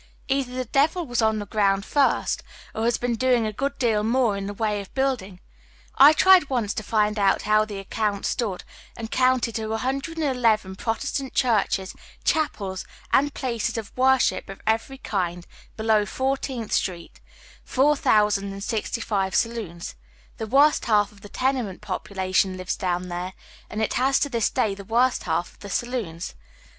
Either the devil was on the ground fii'st, or he has been doing a good deal Jiioi'e in the \^ ay of bnilding. I tried once to find out how the acconot stood, and counted to 111 Protestant ehurclies, chapels, and places of worship of every bind beiow Fourteenth Street, 4,065 saloons. The worst half of the tenement population lives down there, and it has to this day the worst half of the saloons.